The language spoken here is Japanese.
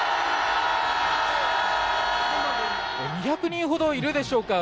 ２００人ほどいるでしょうか。